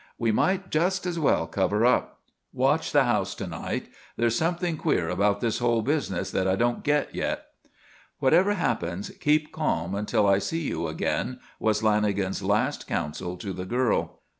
"We might just as well cover up. Watch the house to night. There's something queer about this whole business that I don't get yet." "Whatever happens keep calm until I see you again," was Lanagan's last counsel to the girl.